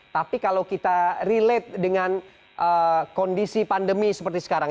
tapi kalau kita relate dengan kondisi pandemi seperti sekarang